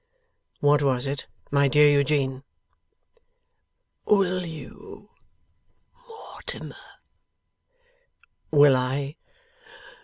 'What was it, my dear Eugene?' 'Will you, Mortimer ' 'Will I